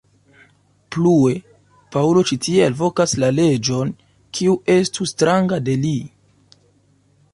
Plue, Paŭlo ĉi tie alvokas la leĝon, kiu estu stranga de li.